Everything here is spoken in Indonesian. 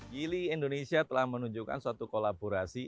yili indonesia telah menunjukkan suatu kolaborasi